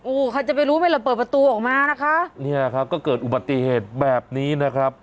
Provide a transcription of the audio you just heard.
อู้วข้าจะรู้เมื่อเราเปิดประตูออกมานะคะถี้ยาก็เกิดอุบัติเหตุแบบนี้นะครับ